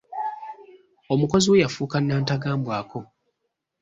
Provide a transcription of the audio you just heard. Omukozi we yafuuka nantagambwako.